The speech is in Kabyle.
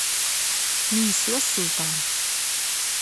Mi yesla Selṭan.